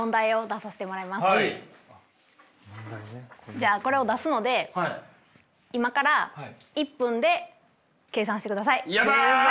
じゃあこれを出すので今から１分で計算してください！